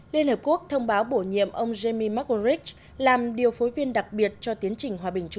liên hợp quốc thông báo bổ nhiệm ông jamie mcelrich làm điều phối viên đặc biệt cho tiến trình hòa bình